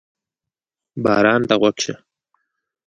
باران ته غوږ شه.